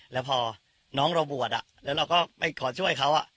แล้วพอน้องเราบวชแล้วเราก็ไปขอช่วยเขา